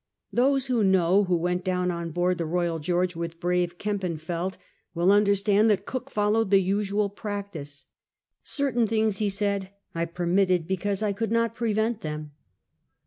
Tliose who know who went down on board the Boyal George with brave Kempenfeldt will under stand that Cook followed the usual practica " Certain things," he said, " I permitted, because I could not pre vent them."